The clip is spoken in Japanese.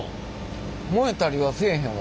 燃えたりはせえへんわ。